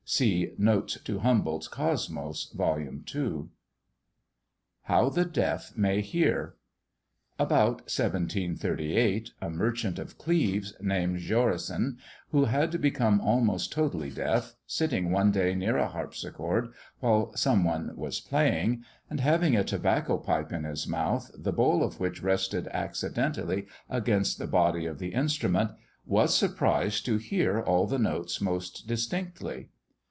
(See Notes to Humboldt's Cosmos, vol. ii.) HOW THE DEAF MAY HEAR. About 1738, a merchant of Cleves, named Jorissen, who had become almost totally deaf, sitting one day near a harpsichord, while some one was playing and having a tobacco pipe in his mouth, the bowl of which rested accidentally against the body of the instrument was surprised to hear all the notes most distinctly.